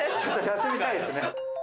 休みたいですね。